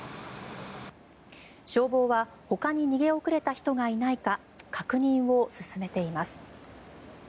消防はほかに逃げ遅れた人がいないか確認を進めています。